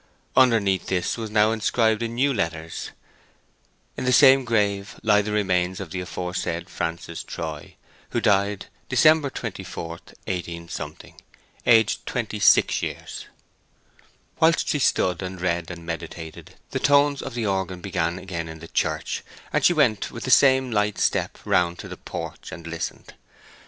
Underneath this was now inscribed in new letters:— In the Same Grave lie The Remains of the aforesaid Francis Troy, Who died December 24th, 18—, Aged 26 years. Whilst she stood and read and meditated the tones of the organ began again in the church, and she went with the same light step round to the porch and listened.